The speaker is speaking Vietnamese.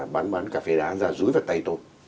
bán bán cà phê đá ra rúi vào tay tôi